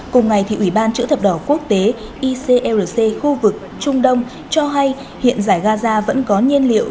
cùng ngày ủy ban chữ thập đỏ quốc tế icrc khu vực trung đông cho hay hiện giải gaza vẫn có nhiên liệu